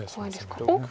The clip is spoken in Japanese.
おっ！